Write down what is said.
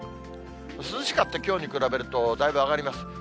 涼しかったきょうに比べると、だいぶ上がります。